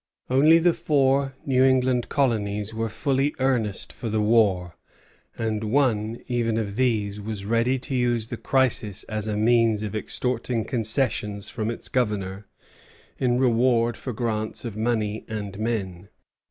Only the four New England colonies were fully earnest for the war, and one, even of these, was ready to use the crisis as a means of extorting concessions from its Governor in return for grants of money and men.